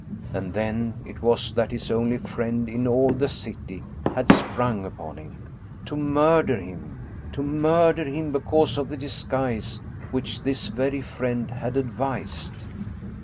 And then it was that his only friend in all the city had sprung upon him to murder him to murder him because of the disguise which this very friend had advised!